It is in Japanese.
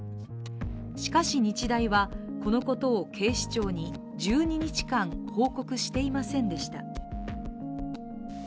しかし日大は、このことを警視庁に１２日間、報告していませんでした。